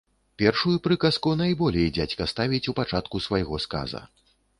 Першую прыказку найболей дзядзька ставіць у пачатку свайго сказа.